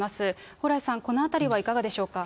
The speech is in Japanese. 蓬莱さん、このあたりはいかがでしょうか。